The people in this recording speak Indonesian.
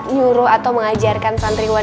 nyuruh atau mengajarkan santriwan